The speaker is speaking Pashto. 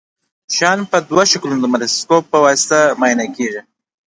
شیان په دوه شکلو د مایکروسکوپ په واسطه معاینه کیږي.